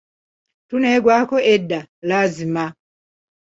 Tuneegwaako edda laazima!